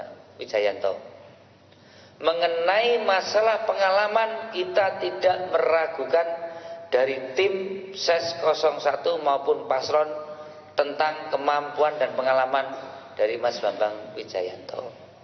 pak wijayanto mengenai masalah pengalaman kita tidak meragukan dari tim ses satu maupun paslon tentang kemampuan dan pengalaman dari mas bambang wijayanto